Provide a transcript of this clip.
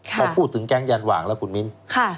พอพูดถึงแก๊งยันหว่างแล้วคุณมิ้น